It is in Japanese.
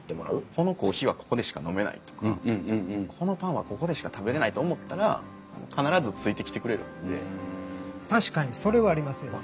このコーヒーはここでしか飲めないとかこのパンはここでしか食べれないと思ったら確かにそれはありますよ。